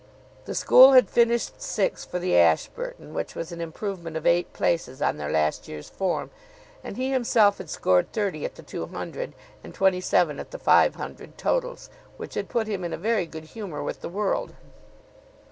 The school had finished sixth for the Ashburton, which was an improvement of eight places on their last year's form, and he himself had scored thirty at the two hundred and twenty seven at the five hundred totals, which had put him in a very good humour with the world.